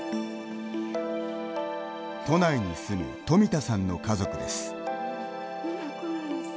都内に住む富田さんの家族です。